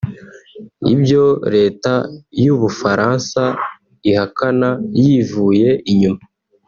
ibyo Leta y’u Bufaransa ihakana yivuye inyuma